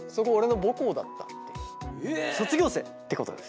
そこ卒業生？ええ！ってことです。